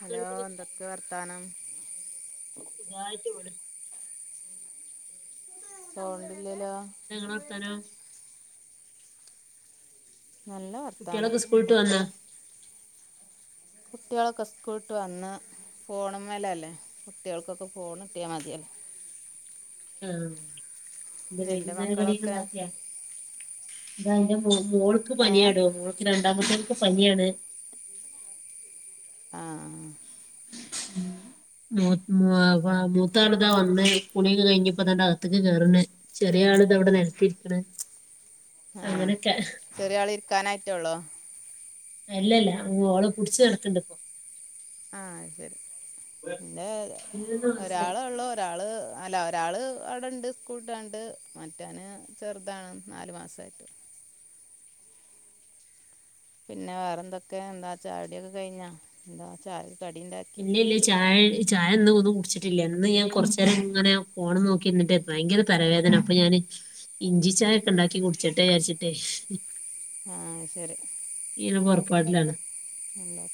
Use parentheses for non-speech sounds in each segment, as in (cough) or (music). Hello കേൾക്കുന്നില്ലേ എന്തൊക്കെ വർത്താനം സുഖായിട്ട് ഇവിടെ സൗണ്ട് ല്ലലെ എത്ത നിങ്ങളെ വർത്താനം നല്ല വർത്താനം കുട്ടികളൊക്കെ സ്കൂളിട്ട് വന്നാ എന്തൊക്കെ കുട്ടികളൊക്കെ സ്കൂൾ ഇട്ട് വന്ന് ഫോണ മേല അല്ലേ കുട്ടികൾക്കൊക്കെ ഫോണ് കിട്ടിയാൽ മതിയല്ലേ മ് എന്താ നിൻ്റെ വൈകുന്നേരം കടിക്കെ മക്കളൊക്കെ ഉണ്ടാക്കിയാ ഇതാ ഇന്റെ മോൾക്ക് ഏ പനിയാടോ മോൾക്ക് രണ്ടാമത്തേൾക്ക് പനിയാണ് (unintelligible) ആഹ് ഉം മൂ മൂത്താള് ഇതാ വന്ന് കുളിയൊക്കെ കഴിഞ് ഇപ്പം. ഇതാ അകത്തക്ക് കേറ്ണ് ചെറിയ ആള് ഇതാ ഇവിടെ നിലത്തിരി ക്ക്ണ് ആഹ് ചെറിയ ആൾ ഇരിക്കാനായിട്ട് ഒള്ളൂ അല്ലല്ല ഓളെ പുടിച്ച് നിർത്ണ്ട് ഇപ്പോ ആഹ് അയ് ശെരി ഇന്റെ പതിനൊന്ന് മാസായി ഒരാളോളു ഒരാൾ അല്ല ഒരാൾ അവിടെ ഉണ്ട് സ്കൂൾ വിട്ടാണ്ട് മറ്റൊന് ചെറുതാണ് നാല് മാസമായിട്ട് പിന്നെ വേറെ എന്തൊക്കെ എന്താ ചായോടിയൊക്കെ കഴിഞ്ഞോ എന്താ ചായ കടി ഉണ്ടാക്കിയെ ഇല്ലില്ല ചായ ചായ ഒന്നും ഒന്നും കുടിച്ചിട്ടില്ല എന്ന് ഞാൻ കുറച്ച നേരം ഇങ്ങനെ പോണ് നോക്കിട്ട് ഭയങ്കര തലവേദന അപ്പൊ ഞാന് ഇഞ്ചി ചായ ഒക്കെ ഉണ്ടാക്കി കുടിച്ചിട്ടെ വിചാരിച്ചിട്ടേ ആഹ് അയ് ശരി ഇങ്ങനെ പൊറപ്പാടിലാണ് എ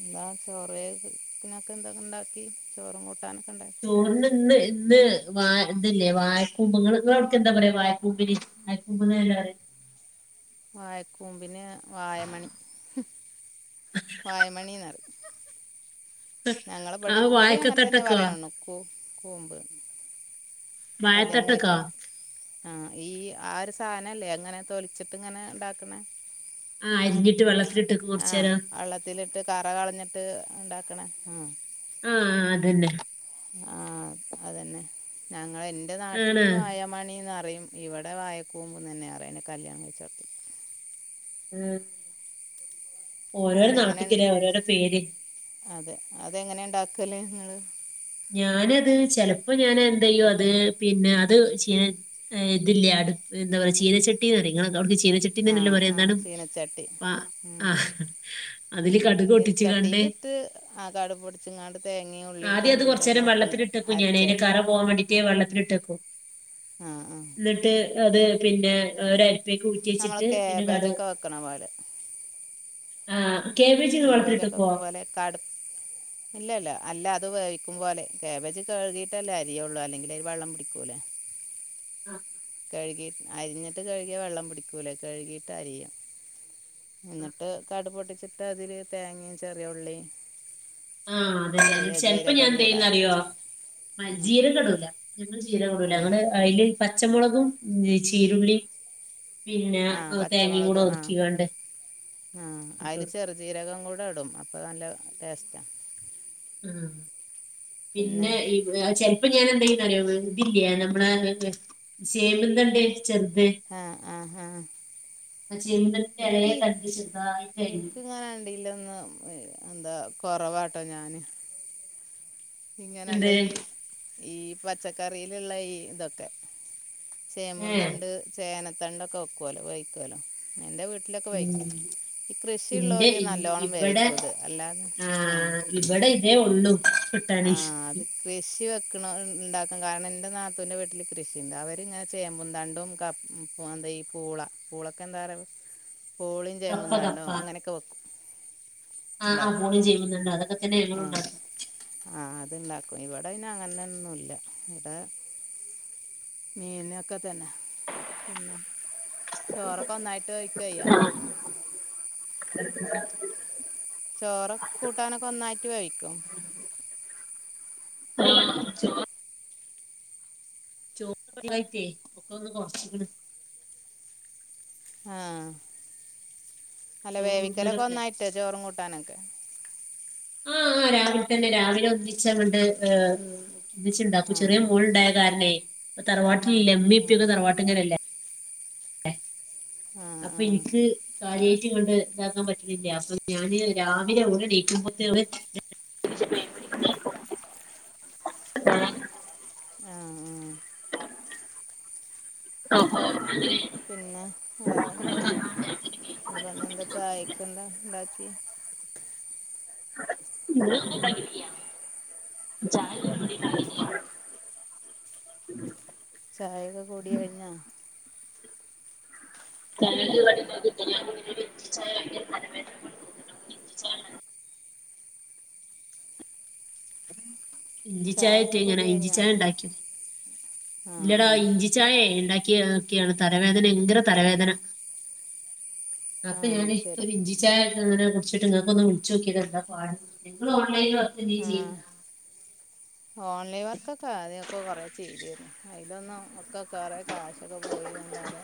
എന്താ ചോറത്തിനൊക്കെ എന്തൊക്കെ ഉണ്ടാക്കി ചോറും കൂട്ടാനൊക്കെ ണ്ടാക്കി ചോറിന് ഇന്ന് ഇന്ന് വ ഇതല്ലേ വായക്കൂമ്പങ്ങൾ ഇങ്ങളവട്ക് എന്താ പറയാ വായക്കൂമ്പിന് വയകൂമ്പ് ല്ലെ പറയ വായക്കൂമ്പിന് വായമണി വായമണി എന്ന് പറി ആ ഞങ്ങളവെടീം ഇവടിയങ്ങൻ തന്നെ വായക്കത്തട്ടക്കോ പറയാൺണു കൂ കൂമ്പ്ന്ന് കല്യാണം വാഴത്തട്ടക്കോ കഴിച്ചോട്ത്ത് ആഹ് ഈ ആഹ് ഒരു സാധനല്ലേ എങ്ങനെ തൊലിച്ചിട്ട് ഇങ്ങനെ ഉണ്ടാക്കണേ ആഹ് അരിഞ്ഞിട്ട് വെള്ളത്തിലിട്ട് വെക്കും കൊറചെരം ത്തിലിട്ട് കറ കളഞ്ഞിട്ട് ഉണ്ടാക്കണേ ഉം ആഹ് ആഹ് അതന്നെ ആ അതന്നെ ഞങ്ങളെ എൻ്റെ നാട്ടിൽ ആണ് വായാമണി ന്ന് അറിയും ഇവടെ വായക്കൂമ്പ് തന്നെ പറയണെ കല്യാണം കഴിചോട്ത്ത് ഉം ഓരോര അതെങ്ങനെ നാട്ടിക്കില് ഓരോരോ പേര് അതെ അതെങ്ങനെ ഉണ്ടാക്കല് ഇങ്ങള്. ഞാനത് ചെലപ്പോ ഞാൻ എന്ത ചെയ്യും അത് പിന്നെ അത് ചീന ഏ ഇതില്ലേ അടു എന്താ പറയയാ ചീനച്ചട്ടീ എന്ന് പറയും നിങ്ങളക്ക അവിടുക്ക് ആ ചീനച്ചട്ടീന്നന്നെല്ലോ പറയാ ആ എന്താണ് ചീനച്ചട്ടി പാ ഉം. ആഹ് ആഹ് അതില് കടക് ഒട്ടിച്ചു ഇടണ്ട് ചീനച്ചട്ടിയിലിട്ട് ആ കാട് പൊടിച്ചു കാണ തേങ്ങയും ഉള്ളിയും ചെറു അത് കുറച്ചു ചീരമൊക്കെ നേരം ഒട്ട വെള്ളത്തിലിട്ടേക്കും ഞാൻ അതിന്റെ അരച്ചടും കറ പോകാൻ വേണ്ടിട്ട് ആഹ് ആഹ് ട്ട് അത് പിന്നെ അരിപ്പേക്ക് ഊറ്റി നമ്മൾ വെച്ചിട്ട് പിന്നെ കട കാബേജൊക്കെ വെക്കണ പോലെ കവ (unintelligible) കേവൊക്കെക്കും പോലെ കാട് ഇല്ലല്ല അല്ല അത് വേവിക്കും പോലെ കേബേജ് കഴുകിട്ടല്ലേ അരിയള്ളൂ അല്ലെങ്കിൽ വെള്ളം പിടിക്കൂലേ ആഹ് കഴുകിട്ട് അരിഞ്ഞിട്ട് കഴുകിയ വെള്ളം പിടിക്കൂലേ കഴുകിട്ട് അരിയ എന്നിട്ട് കാടു പൊട്ടിച്ചിട്ട് അതില് തേങ്ങയും ചെറിയ ഉള്ളി ആഹ് അതെതെ അ ചെിലപ്പോ ഞാൻ എന്ത് ചെയ്യന്ന് അറിയോ അരച്ച് ഉം. ജീരം കടൂല ഞങ്ങള്ൾ ജീരം കടൂല ആ ഞങ്ങള് തില് പച്ചമുളകും ചീരുള്ളി പിന്നെ ആഹ് ആ, തേങ്ങയും പച്ചമുളക് കൂടെ ആഹ് ഒതുക്കിക്കാണ്ട് ആഹ് ഇട്ടു അതിൽ ചെറു ജീരകം കൂടെ ഇടും അപ്പോൾ നല്ല ടേസ്റ്റാണ് അതു പിന്നെ ഈ ചെിലപ്പോ ഞാൻ എന്താന്ന് അറിയോ ഇതില്ല നമ്മള ചെമ്പുന്തണ്ട് ചെറുത് ആഹ് ആഹ് ഹ പ ചിതിന്റെ ഇലയെ തണ്ടി ചെറുതായി കഴിഞ്ഞു അങ്ങനാണ്ടല്ലന്ന് എന്താ കുറവാട്ടോ ഞാന് ഇങ്ങനെയണ്ട എന്ത് ഈ ഈ പച്ചക്കറിയിലുള്ള ഈ ഇതൊക്കെ ഏഹ് ചെമ്പുംതണ്ട് ചേനത്തണ്ട് ഒക്കെ വെക്കുവലോ ഉപയോക്കുവലോ എന്റെ വീട്ടിലൊക്കെ ഉം വയിക്കും ഈ കൃഷിയുള്ള ഇന്റെ പോല നല്ലോണ്ണം വേവിക്കൂത് അല്ലാതെ ആഹ് ഒരുവിട ഇതേ ഒള്ളു ആഹ് അത് കൃഷി വെക്കണം ഇ ഇണ്ടാക്കാൻ കാരണം എൻ്റെ നാത്തൂൻ്റെ വീട്ടില് കൃഷിയുണ്ട്. അവരിങ്ങനെ ചെയ്യുമ്പന്താണ്ടും (unintelligible) എന്തായി പൂള പൂളക്ക് എന്താ (unintelligible) പൂളേം കപ്പ ചേമ്പിൻ കപ്പ തണ്ടും അങ്ങനെക്കെ വെക്കും. ആഹ് ഉണ്ടാക്കും ആഹ് (unintelligible) ചെയ്യുന്നുണ്ട്. അതൊക്കെ തന്നെ ആഹ് (unintelligible) ആഹ് അത്ണ്ടാക്കും ഇവിടെ പിന്നെ അങ്ങനൊന്നുല്ല ഇവിടെ മീനൊക്കെ തന്ന. പിന്നെ ചോറൊക്കെ (unintelligible) (unintelligible) എടുക്ക ചോറും കൂട്ടാനൊക്കെ ഒന്നായിട്ട് വേവിക്കും. ചോ (unintelligible) ഒക്കെ ഒന്ന് കൊറച്ച്ക്കണ്. ആഹ്, അല്ല വേവിക്കലൊക്കെ ചോറുണ്ണലൊക്കെ ഒന്നായിട്ട് ചോറും കൂട്ടാനൊക്കെ ആഹ് ആഹ് രാവിലെ തന്നെ രാവിലെ ഒന്നിച്ച് അങ്ങണ്ട് ഏഹ്. (unintelligible) അപ്പൊ ചെറിയ ആഹ് മോളുണ്ടായ കാരണേ. തറവാട്ടിലില്ലേ ഇമ്മീം ആഹ് ഇപ്പിയൊക്കെ തറവാട്ട്ങ്ങലല്ലേ. ആഹ് അപ്പൊ ആഹ് എനിക്ക്. കാര്യായിട്ട് ഇങ്ങണ്ട് ഇതാക്കാൻ പറ്റണില്ല. അപ്പൊ ഞാന് രാവിലെ അവിടെ (unintelligible) ആഹ് മ്ഹ് ഓഹോ അല്ലേ പിന്നെ വേറെ എന്താ (unintelligible) ചായക്ക് എന്താ ഇണ്ടാക്കിയെ ഇന്ന് ഒന്നും ഉണ്ടാക്കിയിട്ടില്യാ. ചായക്കുള്ള കടി ഉണ്ടാക്കിയിട്ടില്ല. ചായേക്ക കൂടി കഴിഞ്ഞാ (unintelligible) ഇഞ്ചി ചായ ഇട്ട് ചായയൊക്കെ കഴിഞ്ഞു കൂടി ആണോ ഇഞ്ചി കഴിഞ്ഞാ ചായ ഇണ്ടാക്ക്യോ? ആ ഇല്ലെടാ ഇഞ്ചി ആ ചായെ ഇണ്ടാക്കി നോക്കിയതാണ് തലവേദന ഭയങ്കര തലവേദന. ആ അപ്പെ ഞാന് ശരി ഒരു ഇഞ്ചി. ചായ ഇട്ട് അങ്ങനെ കുടിച്ചിട്ട് ഇങ്ങക്ക് ഒന്നു വിളിച്ചു നോക്കിയതാ എന്താ പാട്ന്ന്. നിങ്ങള് ഓൺ ലൈനിൽ വ ആഹ്. ഓൺലൈൻ വർക്കൊക്കെ ആദ്യക്കൊ കൊറെ ചെയ്തിരുന്നു അയിലൊന്നും ഒ (unintelligible) കൊറെ കാശൊക്കെ പോയിന്നല്ലാതെ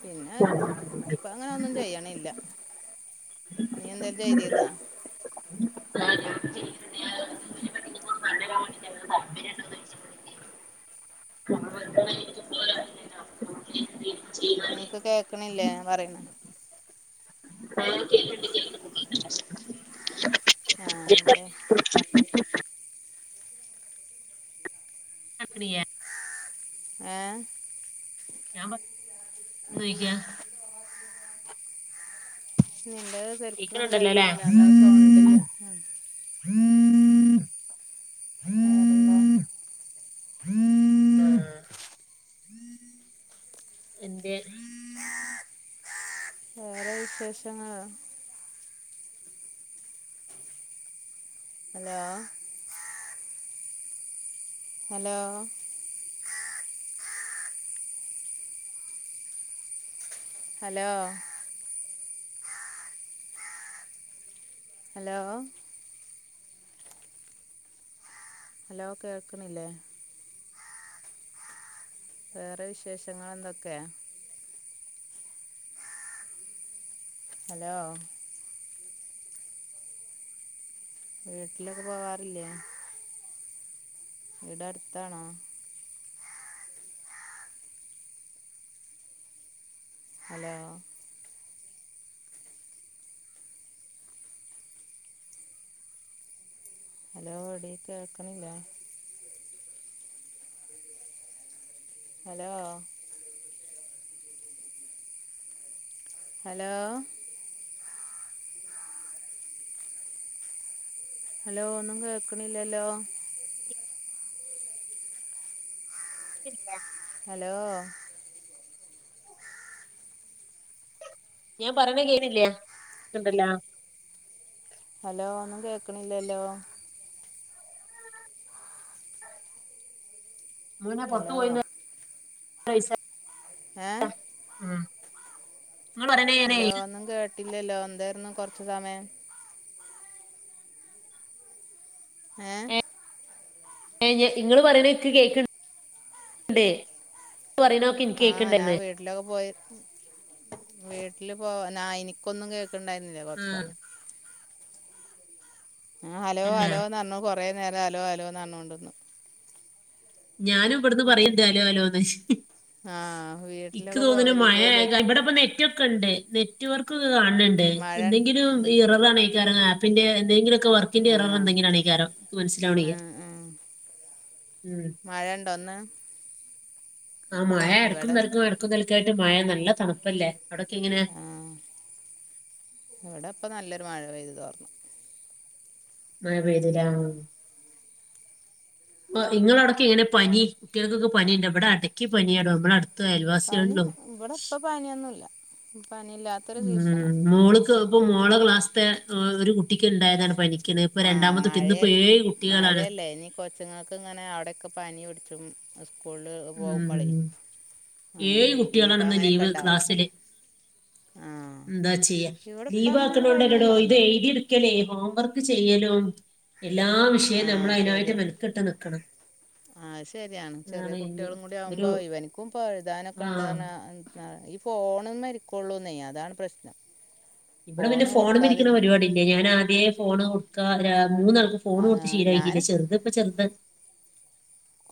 പിന്നെ ഇപ്പ അങ്ങനെ ഒന്നും ചെയ്യണില്ല. നീ എന്തെങ്കിലും ചെയ്തിര്ന്നാ ആഹ് ഞാൻ ചെയ്യുന്നുണ്ട് ഞാൻ ഇതിനെ പറ്റി നിങ്ങളോട് പറഞ്ഞരാൻ (unintelligible) ഇരിക്കുമ്പോ ചെയ്യുന്നാല് ഇങ്ങക്ക് കേക്കണില്ലേ ഞാൻ പറയുന്ന ആഹ് കേക്ക്ണ്ട് കേക്ക്ണ്ട് (unintelligible) (unintelligible) ഏഹ്. ഞാൻ പറയണ കേക്കാ നിൻ (unintelligible) സരിക്കും അങ്ങട് കേക്ക്ണുണ്ടല്ലോല്ലേ കേക്കണില്ല നല്ല ആഹ് സൗണ്ടില്ല. വേറെന്താ. വേറെ വേറെ വിശേഷങ്ങള് hello hello hello hello hello കേൾക്ക്ണില്ലേ വേറെ വിശേഷങ്ങൾ എന്തൊക്കെയ ഹലോ വീട്ടിലൊക്കെ പോവാറില്ലേ വീട് അട്ത്താണോ ഹലോ ഹലോ എടീ കേൾക്കണില്ലേ ഹലോ ഹലോ ഹലോ ഒന്നും കേക്കണില്ലല്ലോ കേക്കിന്നില്ല ഹലോ ഞാൻ പറയണ കേക്കാണില്ലാ റേഞ്ച് ഇണ്ടല്ലോ ഹലോ ഒന്നും കേക്കണില്ലല്ലോ അങ്ങനെ പൊറത്തു ഹലോ പോയിന്ന് ഏ (unintelligible) ആ ഹലോ ഒന്നും കേട്ടില്ലല്ലോ എന്തായിരുന്നു കൊറച്ച് സമയം ഏ ഇങ്ങൾ പറേണെ എൻക്ക് കേക്ക്ണ്ടെ ഇങ്ങള് പറയണ ഇൻക്ക് ആ നാ കേക്ക്ണ്ടന്ന് വീട് (unintelligible) പോയി വീട്ടിലിപ്പോ നാ എനിക്കൊന്നും കേക്കണ്ടായിരുന്നില്ല കൊറച്ച് ആഹ് സമയം ഞാൻ ഹലോ തന്നെ ഹലൊന്ന് പറഞ്ഞു കൊറേ നേരം ഹലോ ഹലോന്ന് പറഞ്ഞോണ്ടിരുന്നു ഞാനും ഇവിട്ന്ന് പറയണ്ട് അലോ അലോന്ന് ആ വീ എക്ക് വീട്ടിലൊക്കെ തോന്നുണു മഴ പോവലില്ലേ ചോയ്ക്ക ഇവിടെ ഇപ്പ നെറ്റ് ഒക്ക ഉണ്ട് നെറ്റ്വർക്കൊക്കെ കാണണണ്ട് മഴ എന്തെങ്കിലും ഈ (unintelligible) ആപ്പിന്റെ എന്തെങ്കിലൊക്കെ വർ ക്കിന്റെ എറർ ആഹ് എന്തെങ്കിലാനെയ്ക്കാറും മനസ്സിലാവണില്ല ആഹ് ആഹ് ഉം മഴണ്ടോ ഇന്ന് ആ മഴ എടക്കും ഇവിടെ പെടക്കും ടക്കും നിലക്കായിട്ട് മഴ നല്ല തണുപ്പല്ലേ അവിടൊക്കെ എങ്ങനെയ ആ ഇവിടെ ഇപ്പ നല്ലൊരു മഴ പെയ്തു തോർന്നു മഴ പെയ്തില്ല നിങ്ങളവടൊക്കെ എങ്ങനാ പനി കുട്ടികൾക്കൊക്കെ പനി ഇണ്ടോ ഇവിടെ അടക്കി പനിയാടോ നമ്മളടു പനി ഇവിടെ ഇപ്പ പാനിയൊന്നുല്ല പനിയില്ലാത്ത ഉം മോള്ക്ക് ഇപ്പ മോളെ ക്ലാസ്ത്തെ ഒരു കുട്ടിക്ക് ഇണ്ടായതാണ് പനി ക്ക്ണു ഇപ്പൊ രണ്ടാമത്തെട്ട ഇന്ന്പ്പോ ഏയ് കുട്ടികളാണ് എനി കൊച്ച കുച്ചുങ്ങൾക്കിങ്ങനെ അവിടെയൊക്കെ പനി പിടിച്ചും സ്കൂ ഉം ഏഴ് അങ്ങനെ ഇനിയിപ്പോൾ കുട്ടികളാണ്ന്ന് അങ്ങനെയൊക്കെ ലീവ് ഉണ്ടാവും ക്ലാസ്സില് ആഹ് എന്താ ചെയ്യ ഇവിടെ ഇപ്പം ലീവ് അങ്ങനെ ആക്കണോണ്ടല്ലെടോ ഇത് പനിയൊന്നുമില്ല എയ്തി എടു ക്കലേ ഹോം വർക്ക് ചെയ്യലും എല്ലാ വിഷയവും നമ്മൾ ആഹ് അതിനായിട്ട് മെനക്കെട്ട് നിക്കണം ആ ശരിയാണ് ചെറിയ ഇന്ന് കുട്ടികളും കൂടി ഒരു ആകുമ്പോ ഇവനിക്കും പ്പ എഴുതാനൊക്കെ ആ ഇണ്ടെന്നു പറഞ്ഞ ന്ന ഈ ഫോണുമ്മേരിക്കൊള്ളൂന്നേ അതാണ് പ്രശ്നം ഇവിടെ പിന്നെ ഫോണ് ഫോണുമ്മേരിക്കണ കൊടുക്കാതിരിക്കും പരുപാടില്ല ഞാൻ ആദ്യേ ഫോണ് കൊടുക്കാ മൂന്നാൾക്ക് ഫോ ഫോണ് കൊടുത്ത് ആഹ് ഞാൻ ശീലക്കിയിക്കില്ല ചെറുത്പ്പ ചെറുത്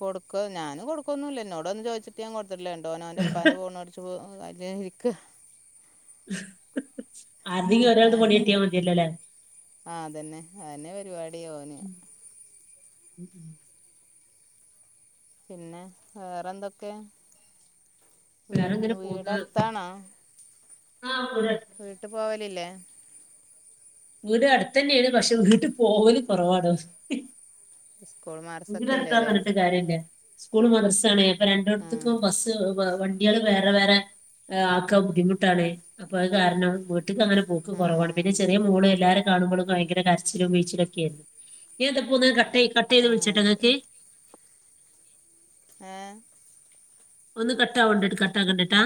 കൊടുക്ക ഞാന് കൊടുക്കൊന്നുല്ല എന്നോട് വന്ന് ചോദിച്ചിട്ട് ഞാൻ കൊടുത്തിട്ടില്ല എന്നിട്ടോൻഓന്റെപ്പാന്റെ ഫോണ് എടു ചോ (unintelligible) ഇരിക്ക ആരെതെങ്കിലും ഒരാൾത് പൊണി കിട്ടിയാൽ മതിയല്ലോ അല്ലേ ആഹ് അതന്നെ അന്നെ പരിപാടിയോന് ഉം ഉം പിന്നെ വേറെ എന്തൊക്കെ വേറെ ഇങ്ങനെ വീട്ട പോകുന്ന വീടടുത്താണോ ആ (unintelligible) വീട്ട് പോവലില്ലെ? വീട് അടുത്ത തന്നെയ ആണ് പക്ഷെ വീട്ടിൽ പോകല കുറവാണ് (unintelligible) വീട് അടുത്തന്നെ അല്ലേ പറഞ്ഞിട്ട് കാര്യല്ല സ്കൂള മദ്രസ്സണ അപ്പൊ ആ രണ്ടടത്തക്കും ബസ് വണ്ടികൾ വേറെ വേറെ ആക്കാ ബുദ്ധിമുട്ടാണ് അപ്പോ ആ കാരണം വീട്ടിക്ക് അങ്ങനെ പോക്ക് ആ കുറവാണ്. പിന്നെ ചെറിയ മോള് എല്ലാരെ കാണുമ്പോള് ഭയങ്കര കരച്ചിലും പിഴിച്ചിലുംഒക്കെയയിരുന്നു ഇതിപ്പോ ക ആഹ ശരി. ഏ? ഒന്ന് കട്ട ആണ്ടട്ട് കട്ട കണ്ടട്ടാ